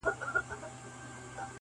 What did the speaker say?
نن به یاد سي په لنډیو کي نومونه-